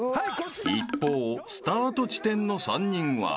［一方スタート地点の３人は］